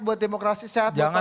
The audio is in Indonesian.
buat demokrasi sehat